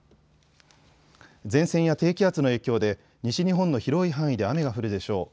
前線や低気圧の影響で西日本の広い範囲で雨が降るでしょう。